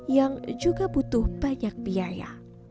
yang juga butuh banyak biaya